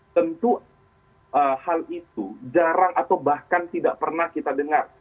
tentu hal itu jarang atau bahkan tidak pernah kita dengar